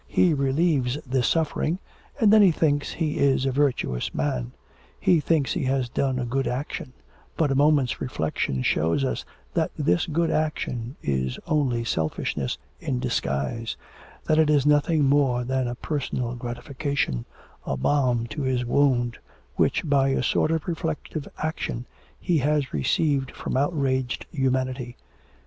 He relieves this suffering, and then he thinks he is a virtuous man; he thinks he has done a good action; but a moment's reflection shows us that this good action is only selfishness in disguise that it is nothing more than a personal gratification, a balm to his wound, which, by a sort of reflective action, he has received from outraged humanity.